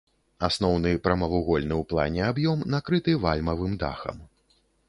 Асноўны прамавугольны ў плане аб'ём накрыты вальмавым дахам.